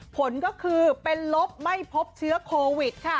ผลก็คือเป็นลบไม่พบเชื้อโควิดค่ะ